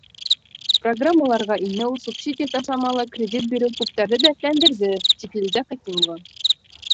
Программаларға инеү, субсидия, ташламалы кредит биреү күптәрҙе дәртләндерҙе, — ти Филүзә Хәкимова.